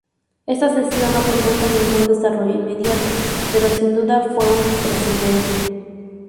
Esta sesión no produjo ningún desarrollo inmediato, pero sin duda fue un precedente.